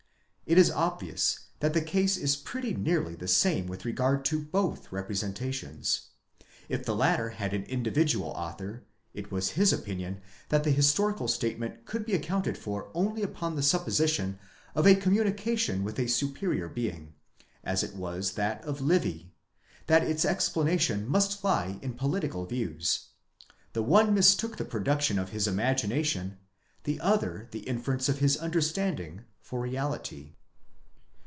It is obvious, that the case is pretty nearly the same with regard to both representations. If the latter had an individual author, it was his opinion that the historical statement could be accounted for only upon the supposition of a communication with a superior being; as it was that of Livy, that its explanation must lie in political views. The one mistook the production of his imagination, the other the inference of his understanding, for reality.